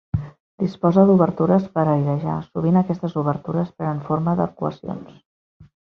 Disposa d'obertures per a airejar, sovint aquestes obertures prenen forma d'arcuacions.